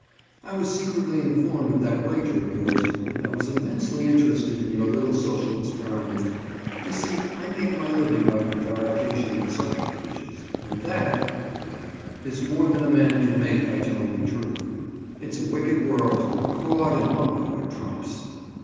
"I was secretly informed of that wager of yours and I was immensely interested in your little social experiment. You see I make my living by prevarication and subterfuges. And that"—with a laugh—"is more than a man can make by telling the truth. It's a wicked world. Fraud and humbug are trumps."